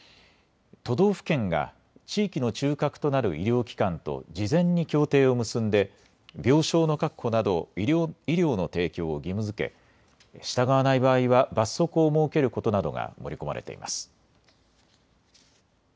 都道府県が地域の中核となる医療機関と事前に協定を結んで病床の確保など医療の提供を義務づけ、従わない場合は罰則を設けることなどが盛り込まれています。